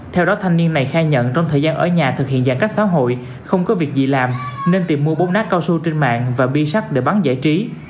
theo đó thanh niên này khai nhận trong thời gian ở nhà thực hiện giãn cách xã hội không có việc gì làm nên tìm mua bốn nát cao su trên mạng và bi sắt để bán giải trí